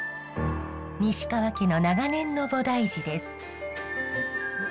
西川家の長年の菩提寺です。